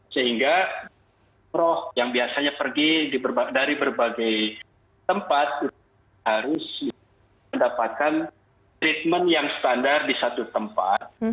sehingga roh yang biasanya pergi dari berbagai tempat harus mendapatkan treatment yang standar di satu tempat